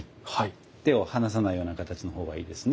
手を離さないような形の方がいいですね